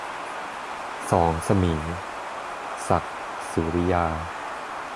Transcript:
สองสมิง - ศักดิ์ สุริยา